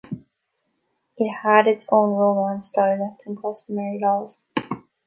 It had its own Romance dialect and customary laws.